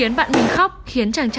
đấy cả bạn em khóc nữa thì em càng sợ